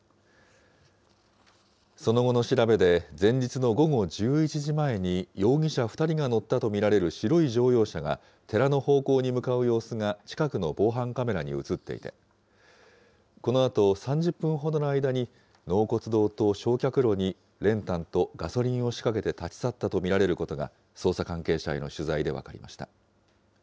その後の調べで前日の午後１１時前に、容疑者２人が乗ったと見られる白い乗用車が寺の方向に向かう様子が、近くの防犯カメラに写っていて、このあと３０分ほどの間に納骨堂と焼却炉に練炭とガソリンを仕掛けて立ち去ったと見られることが捜査関係者への取材で分かりました。